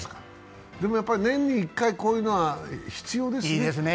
年に１回、こういうのは必要ですね。